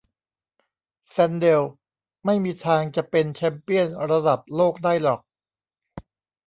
แซนเดลไม่มีทางจะเป็นแชมเปี้ยนระดับโลกได้หรอก